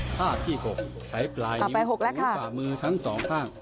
ท่าที่๖ใช้ปลายนิ้วหัวขามือทั้งสองข้าง